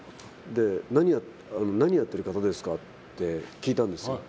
何やってる方ですかって聞いたんですよ。